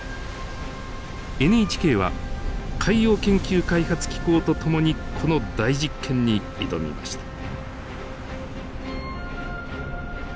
ＮＨＫは海洋研究開発機構と共にこの大実験に挑みました。